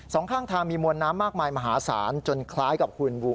ข้างทางมีมวลน้ำมากมายมหาศาลจนคล้ายกับคุณบู